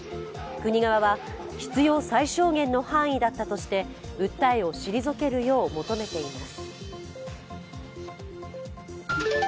国側は、必要最小限の範囲だったとして訴えを退けるよう求めています。